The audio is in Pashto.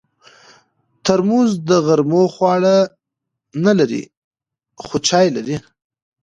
ترموز د غرمو خواړه نه لري، خو چای لري.